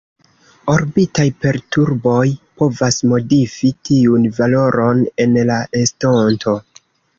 Orbitaj perturboj povas modifi tiun valoron en la estonto.